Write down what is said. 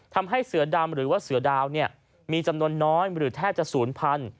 ทำให้เสือดำหรือว่าเสือดาวมีจำนวนน้อยหรือแทบจะศูนย์พัน